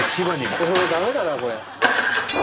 これ駄目だなこれ。